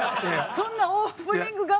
そんなオープニングえっ？